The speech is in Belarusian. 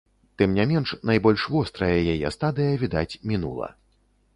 Тым не менш найбольш вострая яе стадыя, відаць, мінула.